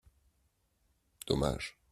Dommage